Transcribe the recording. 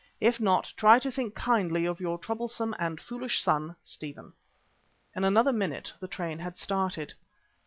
If not, try to think kindly of your troublesome and foolish son, Stephen." In another minute the train had started.